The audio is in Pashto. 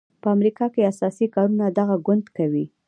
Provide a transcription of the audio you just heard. په امریکا کې اساسي کارونه دغه ګوند کوي.